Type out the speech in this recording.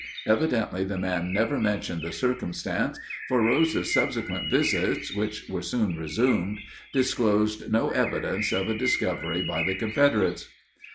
Evidently the man never mentioned the circumstance, for Rose's subsequent visits, which were soon resumed, disclosed no evidence of a discovery by the Confederates.